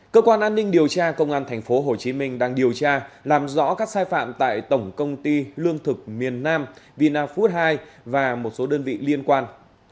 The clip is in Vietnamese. cơ quan an ninh điều tra công an tp hcm đang điều tra làm rõ các sai phạm tại tổng công ty lương thực miền nam vina food hai và một số đơn vị liên quan